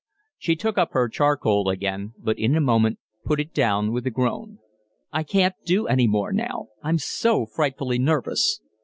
She took up her charcoal again, but in a moment put it down with a groan. "I can't do any more now. I'm so frightfully nervous."